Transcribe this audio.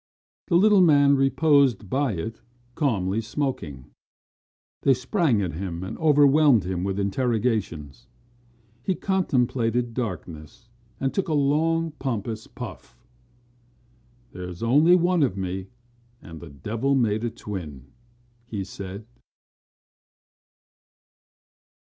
The little man reposed by it calmly smoking. They sprang at him and overwhelmed him with interrogations. He contemplated darkness and took a long, pompous puff. "There's only one of me and the devil made a twin," he said.